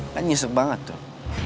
kan nyisek banget tuh